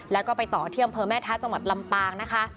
แล้วก็ไปต่อที่อำเภอแม่ทะจังหวัดลำปางนะคะ